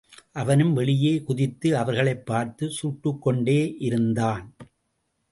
அவனும் வெளியே குதித்து அவர்களைப் பார்த்துச் சுட்டுக்கொண்டேயிருந்தான்.